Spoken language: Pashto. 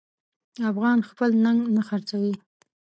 افغان خپل ننګ نه خرڅوي.